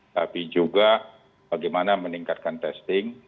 tapi juga bagaimana meningkatkan testing